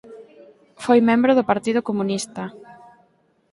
Foi membro do Partido Comunista.